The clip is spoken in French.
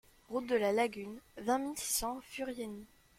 Route de la Lagune, vingt mille six cents Furiani